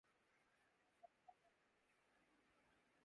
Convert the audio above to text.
اس کا علم صرف اللہ کو ہے۔